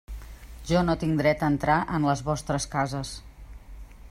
Jo no tinc dret a entrar en les vostres cases.